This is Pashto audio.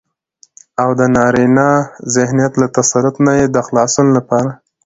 او دنارينه ذهنيت له تسلط نه يې د خلاصون لپاره